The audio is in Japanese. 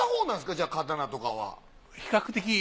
じゃあ刀とかは。